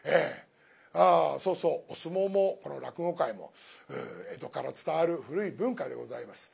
そうそう相撲もこの落語界も江戸から伝わる古い文化でございます。